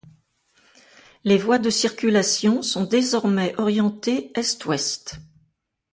Les voies de circulation sont désormais orientées est-ouest.